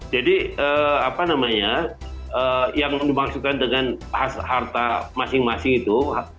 apa namanya yang dimaksudkan dengan harta masing masing itu